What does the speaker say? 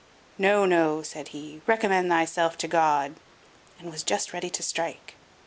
"No, no," said he, "recommend thyself to God," and was just ready to strike...